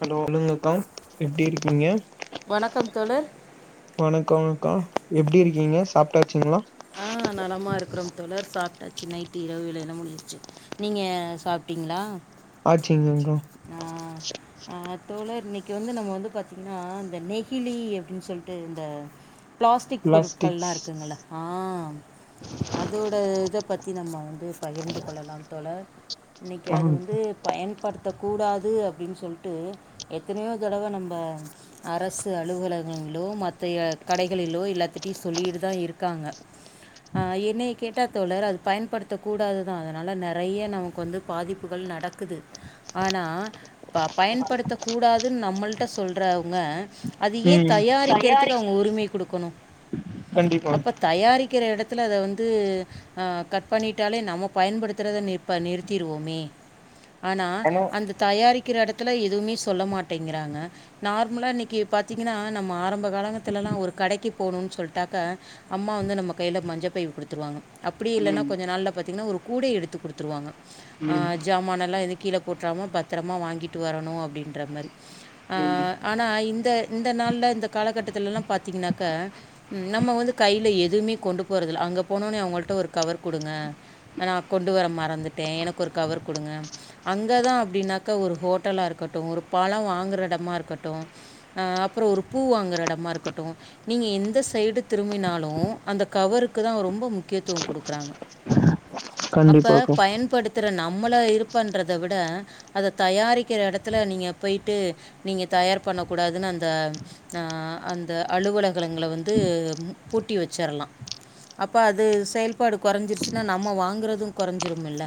Hello வணக்கம் எப்படி இருக்கீங்க வணக்கம் தோழர் வணக்கம் அக்கா எப்படி இருக்கீங்க சாப்பிட்டாசீங்களா ஆஹ் நலமா இருக்றோம் தோழர் சாப்பிட்டா சு நைட்டு இரவு வேல என்ன முடிச் ச்சு நீங்கள் சாப்பிட்டீங்களா ஆச்சிங் ங்கா ஆஹ் ஆஹ் தோழர் இன்னைக்கு வந்து நம்ம வந்து பாத்தீங்கன்னா இந்த நெகிலி அப்படினு சொல்லிட்டு இந்த பிளாஸ்டிக் பொருட்கள்லா பிளாஸ்டிக்ஸ் இருக்குங்கள்ள ஆம் அதோட இத பத்தி நம்ம வந்து பகிர்ந்து கொள்ளலாம் தோழர் இன்னைக்கு ஆ அது வந்து பயன்படுத் த்த கூடாது அப்படின் சொல்ட்டு எத்தனையோ தடவ நம்ப அரசு அலுவலகங்ளோ மத்த ஏ கடைகளிலோ எல்லாத்துட்டியு சொல்லிட்டுதா இரு காங்க அ என்னயக் கேட்டா தோழர் அது பயன்படுத்த கூடாதுதா அதனால நெறய நமக்கு வந்து பாதிப்புகள் நடக்குது ஆனா இப்ப பயன்படுத்தக்க கூடாதுன்னு நம்மள்ட்ட சொல்ற அவுங்க அது ஏ தயாரிக்கிறதுக்கு ம் அவங்க உரிமை குடுக்கொணு கண்டிப்பா அப்ப தயாரிக்கிற எடத் த்தில அத வந்து அ கட் பண்ணிட்டாலே நம்ம பயன்படுத்துறத நிப்ப நிறுத்திருவோமே ஆனா அந்த தயாரி விக்கிற எடத்துல எதுவுமே சொல்ல மாட்டேங்கிறாங்க நார்மலா இன்னிக்கு பாத்தீங்கன்னா நம்ம ஆரம் ம்ம கலகத்துல எல்லா ஒரு கடைக்கி போனுன்னு சொல்ட்டாக்க அம்மா வந்து நம்ம கைல மஞ்ச பைவு குடுத்துருவாங்க அப்புடி இல்லன்னா ம் கொஞ்ச நாள்ல பாத்தீங்கன்னா ஒரு கூடய எடு த்து குடுத்துருவாங்க அ ம் ஜாமானல்லா எது கீழ போட்றாம பத்திரமா வாங்கிட்டு வரணு அப்டின்ற மாறி ம் அஹ் ஆனா இந்த இந்த நாள்ல இந்த காலகட்டத்துல எல்லா பாத்தீங்கன்னாக்க ம் நம்ம வந்து கையில எதுமே கொண்டு போறதில்ல அங்க போனோனே அவுங்கள்ட்ட ஒரு கவர் குடுங்க நா கொண்டு வர மறந்துட்டே எனக்கு ஒரு கவர் குடுங்க அங்கதா அப்டின்னாக்க ஒரு ஹோட்டலா இருக்கட்டு ஒரு பழொ வாங்குற இடமா இருக்கட்டு அஹ் அப்புறோ ஒரு பூ வாங்குற இடமா இருக்கட்டு நீங்க எந்த சைடு தி திரும்பினாலு அந்த கவருக்குதா அவ ரொம்போ முக்கியத்துவோ குடுக்குறாங்க அப்ப கண்டிப்பாக்கா பயன்படுத்துற நா நம்மள இருப்பன்றத விட அத தயாரிக்கிற எடத்துல நீங்க போய்ட்டு நீங்க தயார் பண்ணகூடாதுன்னு அந்த அஹ் அந்த அலுவலகங்கள வந்து பூட்டி வெச்சரலா அப்ப அது செயல்பாடு கொறஞ்சிருச்சுன்னா நம்ம வாங்குறதும் கொறஞ்சிருமில்ல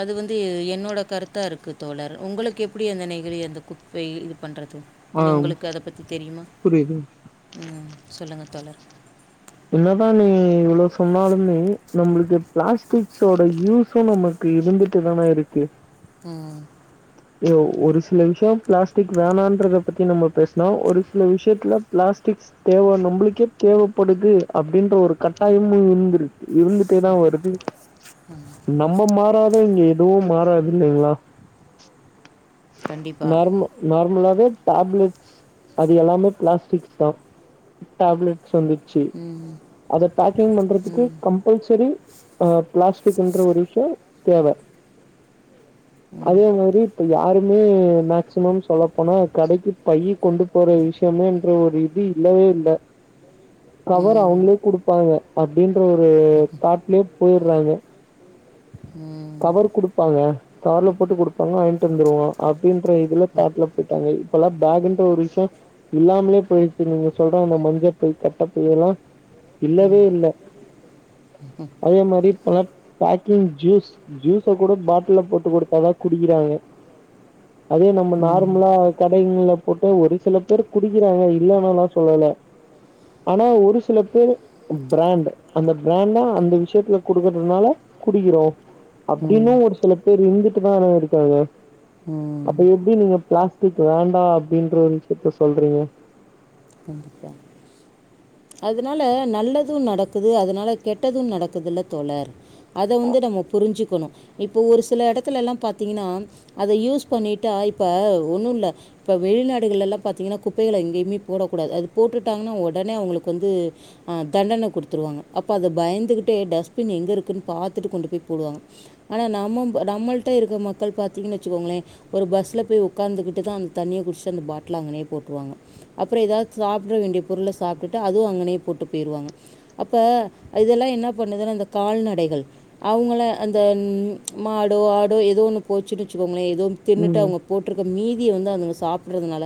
அது வந்து எ என்னோட கருத்தா இருக்கு தோழர் உங்களுக்கு எப்புடி அந்த நெகிழி அந்த குப்பை இது பண்ற து ஆ இன்ன உங்குளுக்கு அத பத்தி தெரியுமா புரியுது ம் சொல்லுங்க தோழர் என்னதா நம்முளுக்கு பிளாஸ்டிக்ஸோட யூஸு நமக்கு இருந்துட்டு தான இருக்கு ம் அய்யோ ஒரு சில விசியோ பிளாஸ்டிக் வேணான்றத பத்தி நம்ம பேஸ்னோ ஒரு சில விஷயத்துல பிளாஸ்டிக்ஸ் தேவ நம்புளுக்கே தேவப்படுது து அப்டின்ற ஒரு கட்டாயமோ இருந்திருக் இருந்துட்டேதா வருது நம்ம மாறாத இங்க எ துவும் மாறாதுல்ல எல்லா கண்டிப்பாக நார்ம நார்மலா டேப்லெட்ஸ் அது எல்லாமே பிளாஸ்டிக்ஸ் தான் டேப்லெட்ஸ் வந்துச்சு ம் அத பேக்கிங் பண்றதுக்கு ம் கம்பல்சரி ஆ பிளாஸ்டிக்ன்ற ஒரு விஷயம் தேவ ம் அதே மாரி இப்ப யாருக்கு மே மேக்சிமம் சொல்ல போனா கடைக்கு பை கொண்டு போற விஷயமென்ற ஒரு இது இல்லவே இல்ல கவர் ம் அவங்களே குடுப்பாங்க அப்டின் ஒரு தாட்லயே போய்றாங்க ம் கவர்ரு குடுப்பாங்க கவர்ல போட்டு குடுப்பாங்க வாயின்ட்டு வந்துடுவோம் ஆ ப்படின்ற இதுல தாட்ல போயிட்டாங்க ல்ல பேக்னு ஒரு விஷயம் இல்லாமலே போயிச்சு நீங்க சொல்றோ அந்த மஞ்ச பை கட்டை பை எல்லாம் இல்லவே இல்ல அதே மாரி இப்பலாம் பேக்கிங் ஜூஸ் ஜூஸை கூட பாட்ல போட்டு கொடுத்தாதான் குடிக்கிறாங்க அதே நம்ம ம் நார்மலா கடைங்கல போட்டு ஒரு சில பேர் குடிக்கிறாங்க இல்லன்னல்லாம் சொல்லலை ஆனா ஒரு சில பேர் பிராண்ட் அந்த பிராண்ட்னா அந்த விஷயத்துல குடுக்கறதுனால குடிக்கிறோம் ம் அப்படின்னு ஒரு சில பேர் இருந்துட் டுதானே இருக்காங்க ம் அப்ப எப்படி நீங்க பிளாஸ் த்துக்கு வேண்டாம் அப்படின்ற ஒரு விஷயத்த சொல்றீங்க [unintelligible] அதனால நல்லதும் நடக்குது அதனால கெட்டதும் நடக்குதுல்ல தோழர் அத வந்து நம்ம புரிஞ்சுக்கணும் இப்ப ஒரு சில இடத்துல எல்லாம் பாத்தீங்கன்னா அத யூஸ் பண்ணிட்டா இப்ப ஒண்ணும் இல்ல இப்ப வெளிநாடுகள் எல்லாம் பாத்தீங்கன்னா குப்பைகளை எங்கேயுமே போடக்கூடாது அது போட்டுட்டாங்கன்னா உடனே அவங்களுக்கு வந்து தண்டனை குடுத்துருவாங்க அப்போ அதை பயந்துகிட்டே டஸ்ட்பின் எங்கே இருக்குன்னு பாத்துட்டு கொண்டு போய் போடுவாங்க ஆனால் நம்ம நம்மளிட்ட இருக்க மக்கள் பாத்தீங்கன்னு வச்சுக்கோங்களேன் ஒரு பஸ்ஸில் போய் உட்காந்துக்கிட்டு தான் அந்த தண்ணியை குடித்து அந்த பாட்டில் அங்கனே போட்டுருவாங்க அப்பறம் எதாவது சாப்ட வேண்டிய பொருள சாப்ட்டுட்டு அதுவும் அங்கனே போட்டு போயிடுவாங்க அப்போ அதெல்லாம் என்ன பண்ணதுன்னா இந்த கால்நடைகள் அவங்கள அந்த ம் மாடோ ஆடோ ஏதோ ஒன்னு போச்சுனு வச்சுக்கோங்களே தோம் தின்னுட்டு ம் அவங்க போட்ருக்க மீ தியை வந்து அதுங்க சாப்பிட்றதுனால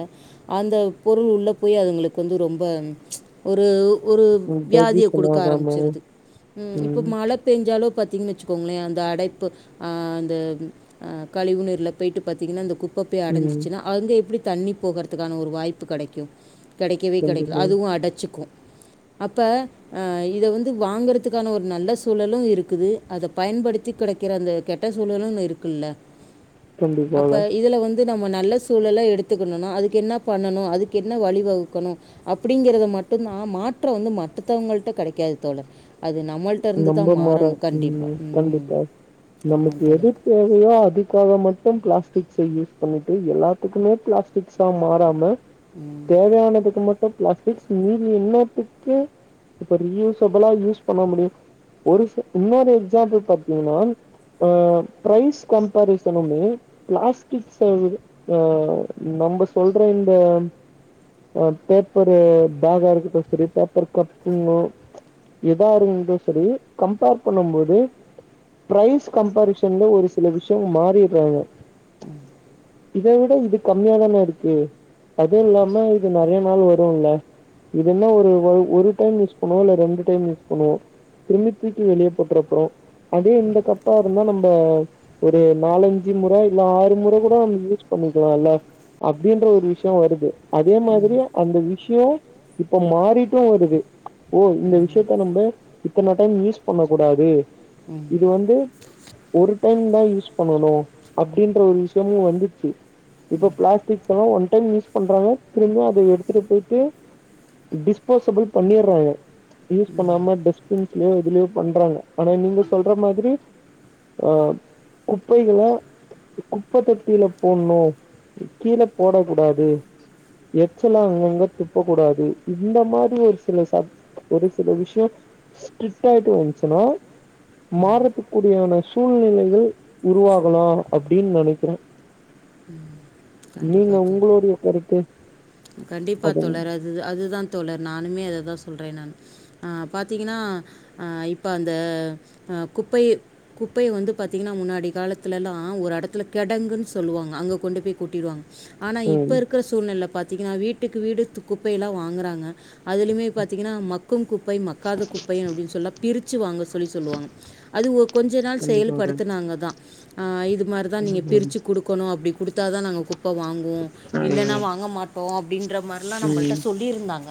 அந்த பொருள் உள்ள போய் அதுங்களுக்கு வந்து ரொம்ப ஒரு ஒரு ம் வியாதியை டைஜஷன் குடுக்க ஆகாம ஆரம்பிச்சிருது இப்ப ம் மழ பெஞ்சாலோ பாத்தீங்கன்னு வச்சுக்கோங்களேன் அந்த அடைப்பு அந்த கழிவுநீர்ல போயிட்டு பாத்தீங்கன்ன அந்த குப் ப்பை போய் ம் அடைஞ்சிச்சுனா அவங்க எப்படி தண்ணி போகறதுக்கான ஒரு வாய் ப்பு கடைக்கு கெடைக்கவே கெடைக்கல கண்டிப்பா அதுவு அடைச்சிக்கு அப்ப ஆஹ் இத வந்து வாங்கறதுக்கான ஒரு நல்ல சூழலு இருக்குது அதை பயன்படுத்தி கெடைக்கிற அந்த கெட்ட சூழலும்னு இருக்குல்ல அப்போ கண்டிப்பாக இதில் வந்து நம்ம நல்ல சூழல எடுத்துக்கணணு அதுக்கு என்னா பண்ணணு அதுக்கு என்ன வழிவகுக்கணு அப்படிங்கறத மட்டும்தா மாற்ற வந்து மத்தவங்கள்டிட்ட கெடைக்காது தோழர் அது நம்மள்ட்ட இருந்து தான் நம்ப மாற மாறணும் கண்டிப்பாக உம் ம் கண்டிப்பா நமக்கு ஆமாம் எது தோழர் தேவையோ அதுக்காக மட்டு [unintelligible] [unintelligible] யூஸ் பண்ணிட்டு எல்லாத்துக்குமே பிளாஸ்டிக்ஸா மாறாம ம் தேவையானதுக்கு மட் பிளாஸ்டிக்ஸ் மீறி என்னத்துக்கு ரீயூஸபலா யூஸ் முடியும் ஒரு இன்னொரு எக்ஸாம்பிள் பாத்தீங்கன்னா ஆஹ் ப்ரைஸ் கம்பரிசனுமே பிளாஸ்டிக் நம்ம சொல்ற இந்த ஆஹ் பேப்பரு பேக்கா இருக்கட்டும் சரி பேப்பர் கப்ப எதா இருந்து சரி கம்பேர் பண்ணுபோது பிரைஸ் கம்பரிசன்ல ஒரு சில விஷய மாறிடுறாங்க [inaudible] இத விட இது கம்மியாதான இருக்கு அதுல்லாம இது நெறைய நாள் வருல்ல இது என்ன ஒ ஒரு டைம் யூஸ் பண்ணுவோ இல்ல ரெண்டு டைம்ஸ் யூ ஹலோ திரும்பி தூக்கி வெளியே போட்டுப்புறோ அதே இந்த கப்பா இருந்தா நம்ம ஒரு நாலஞ்சு முறை இல்ல ஆறு முறை கூட நம்ம யூஸ் பண்ணிக்கலாம்ல்ல அப்படின்ற ஒரு விஷய வருது அதே மாதிரி அந்த விஷய இப்ப மாறிட்டு வருது ஓ இந்த விஷயத் [unintelligible] இத்தனை டைம் யூஸ் பண்ணக்கூடாது ம் இது வந்து ஒரு டைம் தான் யூஸ் பண்ணணு அப்படின்ற ஒரு விஷயமு வந்துச்சு இப்ப பிளாஸ்டிக்ஸ்ல்லா ஒன் டைம் யூஸ் பண்றாங்க திரும்ப அத எடுத்துட்டு போயிட்டு டிஸ்போசிபள் பண்ணிறாங்க யூஸ் பண்ணாம டஸ்பின் [unintelligible] இதுலயோ பண்றாங்க ஆனா நீங்க சொல்ற மாதிரி ஆஹ் குப்பைகளை குப்ப தொட்டில போடணு கீழே போடக்க கூடாது எச்சலா அங்கங்க துப்பக்க கூடாது இந்த மாதிரி ஒரு சில சட் ஒரு சில விஷய ஸ்ட்ரிக்ட் ஆயிட்டு வந்ச்சுன்னா மார்ரத்துக்கூடியன சூழ்நிலைகள் உருவாகலா அப்படின்னு நெனைக்கிறே கண்டிப்பா நீங்க தோழர் உங்களுடைய கருத்து கண்டிப்பா தோழர் அது அதுதா தோழர் நானுமே அததா சொ சொல்றே நா ஆஹ் பாத்தீங்கன்னா ஆஹ் இப்போ அந்த குப்பை குப்பை வந்து பாத்தீங்கன்னா முன்னாடி காலத்துலல்லா ஒரு எடத்துல கெடங்குன்னு சொல்லுவாங்க அங்க கொண்டு போய் கொட்டிருவாங்க ஆனா இப்ப ம் இருக்கிற சூழ்நில பாத் த்துக்கி வீட்டுக்கு வீடு து குப்பைல்லா வாங்குறாங்க அதுலயுமே பாத்தீங்கன்னா மக் மக்கும் குப்பை மக்காத குப்பை அப்படின்னு சொல்ல பிரிச்சு வாங்க சொல்லி சொல்லுவாங்க அது ஓ கொஞ்ச நாள் கண்டிப்பாக செயல்படுத்துனாங்கதா ஆஹ் இதுப் மாரிதா ம் நீங்க பிரிச்சு குடுக்கணு ப்டி குடுத்தாதா நாங்க கு இப்ப வாங்குவோ இல்லைன்னா வாங்க மாட்டோ அப்டின்ற மாரிலாம் ம் நம்மள்ட்ட ம் சொல்லியிருந்தாங்க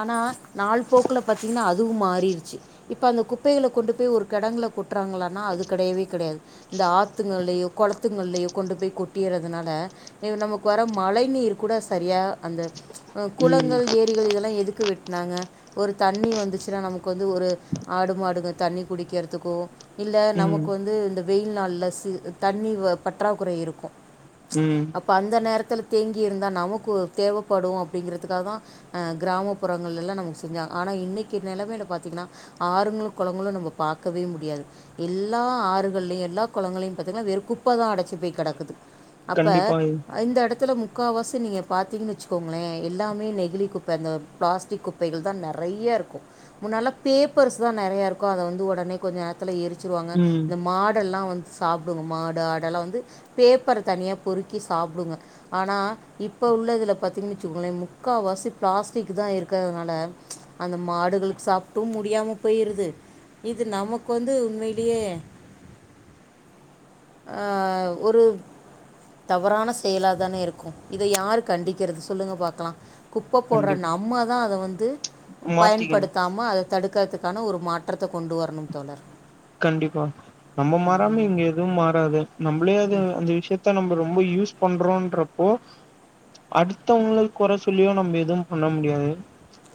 ஆனா நாள் போக்குல பாத்தீங்கன்னா அதுவு மாறிருச்சு இப்ப அந்த குப்பைகள கொண்டு போய் ஒரு கெடங்கள கொட் றாங்களானா அது கெடயவே கெடயாது இந்த ஆத்துங்களயோ கொளத்து த்துங்களயோ கொண்டு போய் கொட் டிறதுனால நமக்கு வர மழை நீர் கூட சரியா அந்த குளங்கள் ஏரிகள் இதெல்லா எதுக்கு வெட் நாங்க ஒரு தண்ணி வந்துச்சுன்னா நமக்கு வந்து ஒரு ஆடு மாடுங்க தண்ணி குடிக்கிறதுக்கோ இல்ல ம் நமக்கு வந்து இந்த வெயில்நாள்ல சி தண்ணி வ பற்றாக்குறை இருக்கு ம் அப்ப அந்த நேரத்துல தேங்கி இருந்தா நமக்கு தேவைப்படு அப்படிங்கருதுக்காக தா அ கிராமப்புறங்கள்லல்லா நமக்கு செஞ்சாங்க ஆனா இன்னக்கு நிலம பாத்திங்கன்னா ஆறுங்களு கொளங்களு நம்ம பாக்கவே முடியாது எல்லா ஆறுகள்லயு எல்லா கொளங்களயு பாத்திங்கன்னா வெறும் குப்ப தா அடச்சு போய் கெடக்குது அப்ப கண்டிப்பா இந்த எடத்துல முப் முக்காவாசி நீங்க பாத்தீங்கனு வச்சுக்கோங்களே எல்லாமே நெகுழி குப்ப அந்த பிளாஸ்டிக் குப்பைகள் தா நெறயாருக்கு முன்னால பேப்பர்ஸ் தா நெறயாருக்கு அத வந்து ஒடனே கொஞ்சோ நேரத்துல எரிச் ச்சுருவாங்க ம் இந்த மாடெல்லா வந் சாப்டுங்க மாடு ஆடெல்லா வந்து பேப்பர தனியா பொறுக்கி சாப்டுங்க ஆனா இப்போ உள்ளதுல பாத்திங்கனு வச்சுக்கோங்களே முக்கா வாசி பிளாஸ்டிக் தா இருக்கிறதுனால அந்த மாடுகளுக் சாப்ட்டு முடியாம போயிருது இது நமக்கு வந்து உண்மைலியே ஆ ஒரு தவறான செயலா தானே இருக்கு இது யாரு கண்டிக்கிறது சொல்லுங்க பாக்கலா குப்ப போடுற கண்டிப் நம்ம தா அத வந்து மாத்திக்கணு பயன்படுத்தாம அத தடுக் க்கிறதுக்கான ஒரு மாற்றத்த கொண்டு வரணு தோழர் கண்டிப்பா நம்ம மாறாம ம் இங்க எதுவு மாறாது நம்மளே அது அந்த விஷயத்த நம் ரொம்ப யூஸ் பண்றோன்றப்போ அடுத்தவங்கள கொற சொல்லியோ நம்ம எதுவு பண்ண முடியாது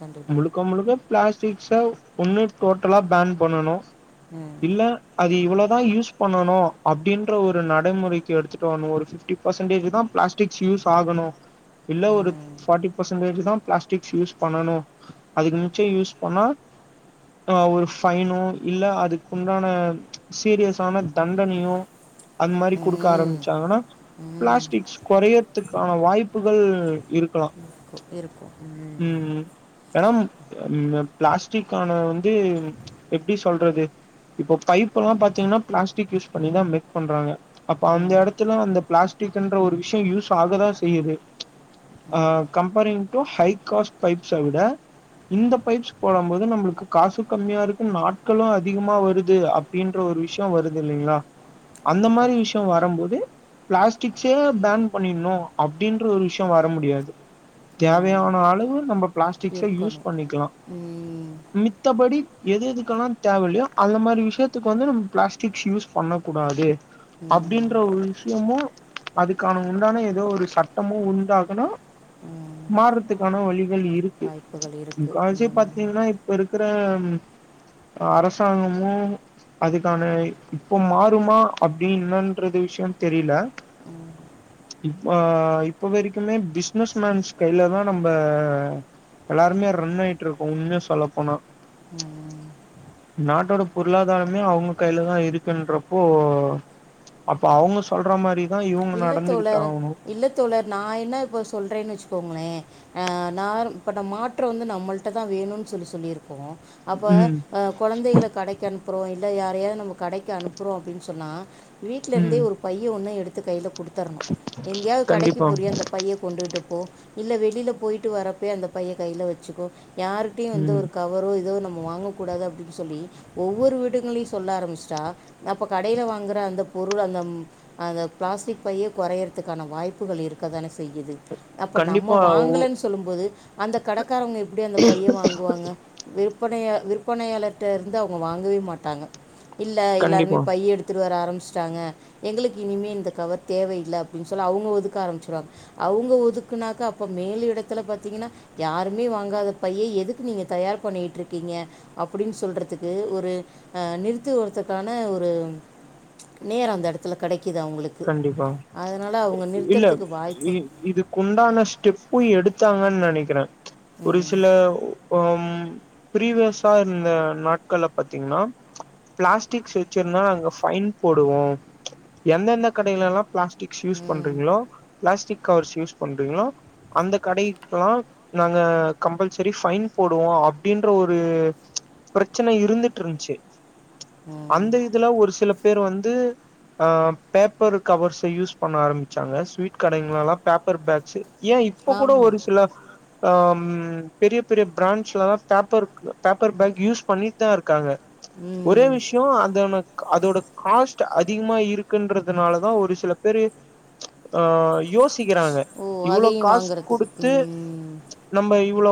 கண்டிப்பாக முழுக்க முழுக்க பிளாஸ்டிக்ஸ ஒன்னு டோட்டலா பேன் பண்ணனு ம் இல்ல அத் இவ்ளோதா யூஸ் பண்ணனு அப்டின்ற ஒரு நடமுறைக்கு எடுத்துட்டு வரணு ஒரு ஃபிப்டி பெர்ஸண்தேஜ் தா பிளாஸ்டிக்ஸ் யூஸ் ஆகணு இல்ல ஒரு ம் ஃபாட்டி பர்சன்டேஜ் தா பிளாஸ்டிக்ஸ் யூஸ் பண்ணனு அதுக்கு மிச்ச யூஸ் பண்ணா அ ஒரு ஃபைனு இல்ல அது உண்டான சீரியஸான தண்டனயு அந்த மாரி குடுக்க ம் ஆரம்பிச்சாங்கனா ம் பிளாஸ்டிக்ஸ் கொறயதுக் கான வாய்ப்புகள் இருக்கலா இருக்கு இருக்கு ம் ஏனா ம் அ பிளாஸ்டிக்கான வந்து எப்டி சொல்றது இப்ப பைப் எல்லா பாத்தீங்கனா பிளாஸ்டிக் யூஸ் பண்ணிதா மேக் பண்றாங்க அப்ப அந்த ம் எடத்துல அந்த பிளாஸ் டிக்ன்ற ஒரு விஷயோ யூஸ் ஆகதா செய்யுது. அஹ் கம்பெனி ப்றோ ஹைகாஸ் பைப்ஸ் அ விட இந்த பைப்ஸ் போடம்போது நம்ளுக்கு காசு கம்மியா இருக்கும். நாட்களும் அதிகமா வரு ருது அப்டின்ற ஒரு விஷ்யோ வருது இல்லைங்ளா? அந்த கண்டிப்பாக மாரி விஷ்யோ வரம்போது பிளாஸ் டிக்ஸ பேன் பண்ணிட்ணு அப்டின்ற ஒரு விஷ்யோ வர முடியாது. ம் தேவயான அளவு நம்ப பிளாஸ்டிக்ஸ யூஸ் இருக்கணும் பண்ணிக்லா. ம் மித்தபடி எது எதுக்கெல்லா தேவல்லயோ அந்த மாரி விஷயத்துக்கு வந்து நம்ம பிளாஸ்டிக்ஸ் யூஸ் பண்ண கூடாது. ம் அப்டின்ற ஒரு விஷயமு அதுக்கான உண்டான ஏதோ ஒரு சட்டமு உண்டாக்னா ம் மார்றதுக்கான வழிகள் இருக்கு. வாய்ப்புகள் ச்ச இருக்குது கால்ஸே பாத்தீங்கனா இப்ப இருக்குற அரச சாங்கமு அதுக்கான இப்பொ மாறுமா அப்படி எனன்றது விஷயோ தெரில. இப் ஆ இப்ப வெரைக்கிமே பிசினஸ் மேன்ஸ் கைலதா நம்ப எல்லாருமே ரன் ஆயிட்டு இருக்கோ. உண்மய சொல்லப்போனா உஹ்ம் நாட்டோட பொருளாதாரமே அவுங்க கையிலதா இருக்குன்றப்போ அப்ப அவுங்க சொல்ற மாரி இல்ல தோழர் இல்ல தோழர் நா என்ன இப்ப சொல்றேனு வச்சுக்கோங்களே. ஆஹ் நான் இப்ப மாற்றோ வந்து நம்மள்ட்டதா வேணுன் சொல்லி சொல்லிருக். கோ அப்ப ம் அ கொழந்தைகள கடைக்கு அனுப்றோ இல் த யாரையாது நம்ம கடைக்கு அனுப்புறோ அப்படின் சொன்னா வீட்ல இருந்தே ம் ஒரு பைய ஒண்ண எடுத் து கைல குடுத் தர்ணு. எங்கயாது கடைக்கு கண்டிப்பா போரியா இந்த பைய கொண்டுட்டு போ. இல்ல வெளில போய்ட்டு வரப்பயே அந்த பைய கையில வெச்சுக்கோ. யாருட்டியு வந்து ம் ஒரு கவரோ ஏதோ நம் வாங்கக்கூடாது அப்படின் சொல்லி ஒவ்வொரு வீடுகளியு சொல்ல ஆரம்பிச்சிட்டா, அப்ப கடைல வாங்கற அந்த பொருள் அந்த ம் அந்த பிளாஸ்டிக் பையே கொறையறதுக்கான வாய்ப்புகள் இருக்க தான செய்யுது. அப்ப நம்ம கண்டிப்பா ஓ வாங்கலேன்னு சொல்லும்போது அந்த கடைக்காரவங்க எப்டி அந்த பைய வாங்குவாங்க? விற்பனைய விற்பனையாளர்கிட்ட இருந்து அவங்க வாங்கவே மாட்டாங்க. இல்ல எல்லாருமே கண்டிப்பா பை எடுத்துட்டு வர ஆரம்பி ட்டாங்க எங்களுக்கு இனிமே இந்த கவர் தேவையில்லை அப்படின்னு சொல்லி அவங்க ஒதுக்க ஆரம்பிச்சடுவாங்க அவங்க ஒதுக்குனாக்க அப்ப மேல இடத்துல பார்த்தீங்கன்னா யாருமே வாங்காத பையை எதுக்கு நீங்க தயார் பண்ணிட்டு இருக்கீங்க அப்படின்னு சொல்றதுக்கு ஒரு நிறுத்து வதுக்கான ஒரு நேரம் அந்த இடத்துல கிடைக்குது அவங்களுக்கு கண்டிப்பா அதனால் அவங்க இல்ல நிறுத்துறதுக்கு வாய்ப்பு இதுக்கு உண்டான ஸ்டெப்பும் எடுத்தாங்கன்னு நெனைக்கி இன [unintelligible] ஒரி ம் சில ஒம் பிரிவஸ்ஸா இருந்த நாட்கள்ல பத்தீங்னா ப்ளாஸ்டிக்ஸ் வெச்சிர்ந்தா அங்க ஃபைன் போடுவோ எந்தெந்த கடைலலா ப்ளாஸ் டிக்ஸ் யூஸ் ம் பண்றீங்ளோ ப்ளாஸ்டிக் கவுர்ஸ் யூஸ் பண்றீங்ளோ அந்த கடைக்லா நாங்க கம்பல்சரி ஃபைன் போடுவோ அப்டின்ற ஒரு ப்ரச்சன இருந்துட்ருந்ச்சு ம் அந்த இதுலா ஒரு சில பேர் வந்து அ பேப்பர் கவர்ஸ யூஸ் பண்ண ஆரம்ச்சாங்க ஸ்வீட் கடைங்ளலா பேப்பர் பேக்ஸு ஏ இப்ப கூட ஒரு ஆமாம் சில ஆம் பெரிய பெரிய ப்ராண்ச்லலா பேப்பர்க் பேப்பர் பேக் யூஸ் பண்ணிட்தா இர்க்காங்க ஒரே ம் விஷ்யோ அத் ஒனக் அதோடு ஹாஸ்ட் அதிகமா இருக் குன்றுதுனாலதா ஒரு சில பேரு ஆ யோஸ் சிக்கிறாங்க ஓ இவுளோ அதையும் காஸ் வாங்குறதுக்கு குடுத்து ம் நம்ப இவ் இவ்ளோ வா